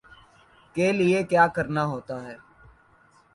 کے لیے کیا کرنا ہوتا ہے